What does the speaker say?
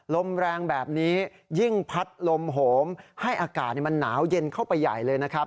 ลมแรงแบบนี้ยิ่งพัดลมโหมให้อากาศมันหนาวเย็นเข้าไปใหญ่เลยนะครับ